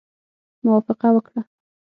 موافقه وکړه.